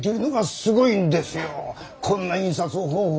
こんな印刷方法